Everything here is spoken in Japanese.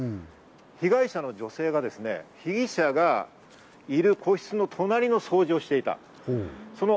被害者の女性が被疑者がいる個室の隣の掃除をしていた。